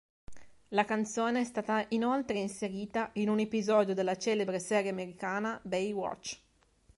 La canzone è stata inoltre inserita in un episodio della celebre serie americana Baywatch.